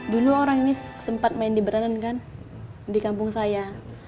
dulu orang ini sempat main di beranan kan di kampung saya